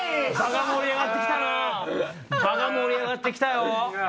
場が盛り上がって来たな。